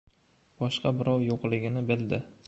Boshqa birov yo‘qligini bildi.